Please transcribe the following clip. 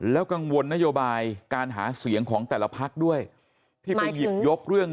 แล้วกังวลนโยบายการหาเสียงของแต่ละภักร์ด้วยหมายถึง